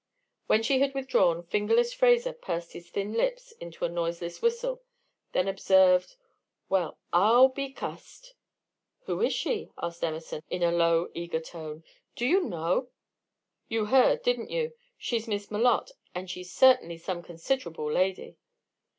When she had withdrawn, "Fingerless" Fraser pursed his thin lips into a noiseless whistle, then observed: "Well, I'll be cussed!" "Who is she?" asked Emerson, in a low, eager tone. "Do you know?" "You heard, didn't you? She's Miss Malotte, and she's certainly some considerable lady."